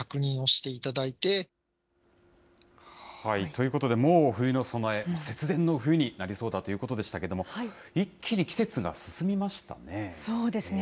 ということで、もう冬の備え、節電の冬になりそうだということでしたけれども、そうですね。